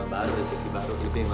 rumah baru rejeki bakto ini berapa